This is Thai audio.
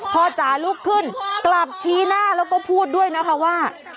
พอจ๋าลุกขึ้นกลับชี้หน้าแล้วก็พูดด้วยนะคะว่า